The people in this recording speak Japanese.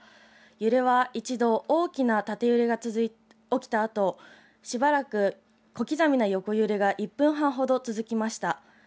揺れは一度、大きな縦揺れが起きたあとしばらく小刻みな横揺れが１分半ほど続きました。